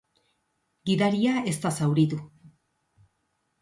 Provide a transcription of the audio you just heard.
Gidaria ez da zauritu.